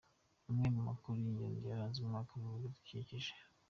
Amwe mu makuru y’ingenzi yaranze umwaka mu bidukikije